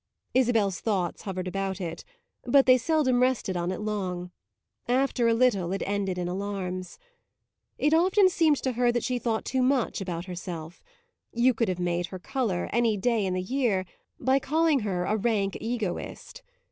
Isabel's thoughts hovered about it, but they seldom rested on it long; after a little it ended in alarms. It often seemed to her that she thought too much about herself; you could have made her colour, any day in the year, by calling her a rank egoist.